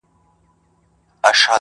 څوک چي په تېغ لوبي کوي زخمي به سینه،